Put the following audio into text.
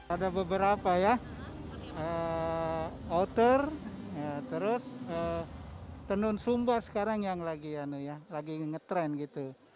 ada beberapa ya outer terus tenun sumba sekarang yang lagi ngetrend gitu